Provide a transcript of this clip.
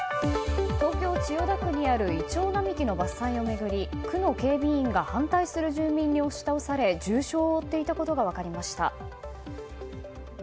東京・千代田区にあるイチョウ並木の伐採を巡り区の警備員が反対する住民に押し倒され重傷を負っていたことが分かりました。